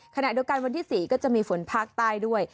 ขณะเดียวกันวันที่๔ก็จะมีฝนภาคใต้ด้วย